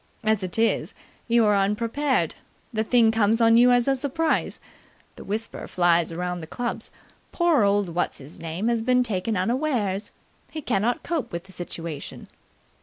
As it is, you are unprepared. The thing comes on you as a surprise. The whisper flies around the clubs: 'Poor old What's his name has been taken unawares. He cannot cope with the situation!'"